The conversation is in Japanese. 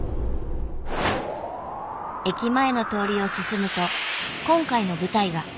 駅前の通りを進むと今回の舞台が。